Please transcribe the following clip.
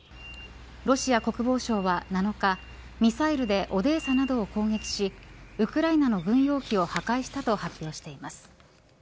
ロシア国防省は７日ミサイルでオデーサなどを攻撃しウクライナの軍用機を破壊したと発表しています。